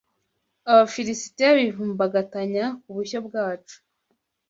Abafilisitiya bivumbagatanya ku bushyo bwacu